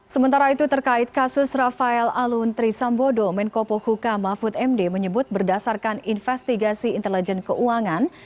sementara itu terkait kasus rafael alun trisambodo menko pohuka mahfud md menyebut berdasarkan investigasi intelijen keuangan